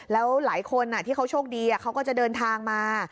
แล้วหลายคนที่เขาโชคดีเขาก็จะเดินทางมา